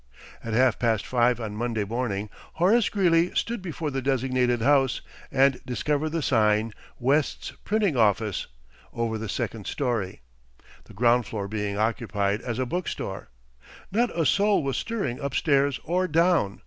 At half past five on Monday morning Horace Greeley stood before the designated house, and discovered the sign, "West's Printing Office," over the second story; the ground floor being occupied as a bookstore. Not a soul was stirring up stairs or down.